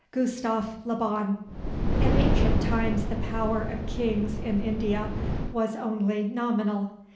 GUSTAVE LE BON In ancient times the power of kings [in India] was only nominal.